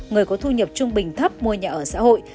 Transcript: người có thu nhập trung bình thấp mua nhà ở xã hội